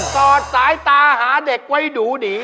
อดสายตาหาเด็กไว้ดูดี